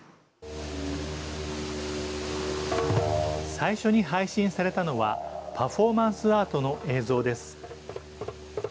最初に配信されたのは、パフォーマンスアートの映像です。